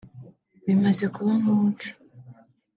bimaze kuba nk’umuco